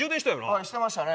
はいしてましたね。